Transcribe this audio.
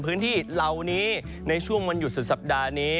พื้นที่เหล่านี้ในช่วงวันหยุดสุดสัปดาห์นี้